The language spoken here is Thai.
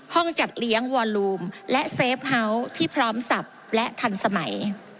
จัดเลี้ยงวอลูมและเซฟเฮาส์ที่พร้อมสับและทันสมัย